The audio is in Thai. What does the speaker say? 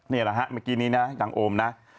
นี่แหละฮะเมื่อกี้นี้นะอย่างโอมนะ